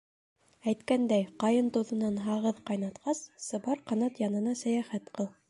Әйткәндәй, ҡайын туҙынан һағыҙ ҡайнатҡас, Сыбар Ҡанат янына сәйәхәт ҡыл.